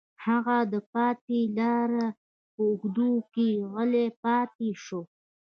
هغه د پاتې لارې په اوږدو کې غلی پاتې شو